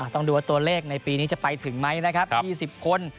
ต้องดูว่าตัวเลขในปีนี้จะไปถึงไหมนะครับ๒๐คน